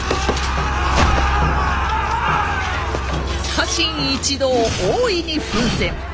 家臣一同大いに奮戦。